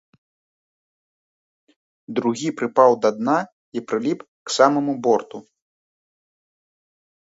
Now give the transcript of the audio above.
Другі прыпаў да дна і прыліп к самаму борту.